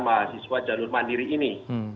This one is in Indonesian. mahasiswa jalur mandiri ini